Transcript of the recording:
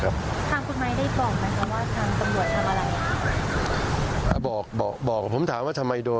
บอกบอกบอกผมถามว่าทำไมโดน